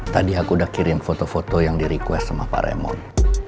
tadi aku udah kirim foto foto yang di request sama pak remote